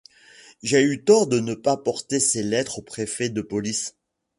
J'ai eu tort de ne pas porter ces lettres au préfet de police !